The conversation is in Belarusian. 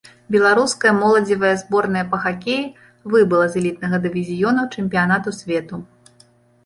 Беларуская моладзевая зборная па хакеі выбыла з элітнага дывізіёну чэмпіянату свету.